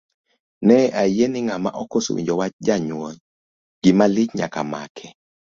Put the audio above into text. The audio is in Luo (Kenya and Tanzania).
Ne ayie ni ng'ama okoso winjo wach janyuol, gima lich nyaka make.